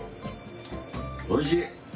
おいしい！